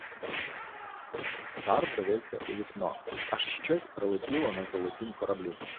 Цар дивиться у вікно — аж щось прилетіло на золотім кораблі.